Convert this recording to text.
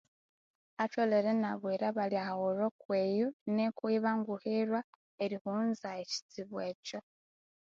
Atholere inya bwira abali ahaghulhu okwiyo nuko ibanguhirwa erighunza ebitsibu ekyo